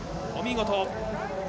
お見事。